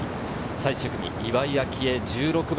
最終組、岩井明愛、１６番。